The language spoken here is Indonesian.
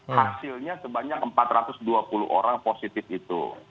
hasilnya sebanyak empat ratus dua puluh orang positif itu